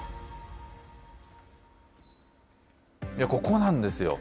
ここなんですよ。